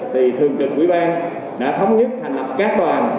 thì thường trực quỹ ban đã thống nhất hành lập các bàn